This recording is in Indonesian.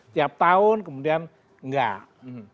tiap tahun kemudian nggak